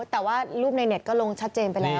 แต่ว่ารูปในเน็ตก็ลงชัดเจนไปแล้ว